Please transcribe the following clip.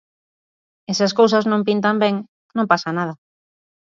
E se as cousas non pintan ben, non pasa nada.